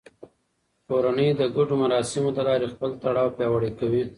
کورنۍ د ګډو مراسمو له لارې خپل تړاو پیاوړی کوي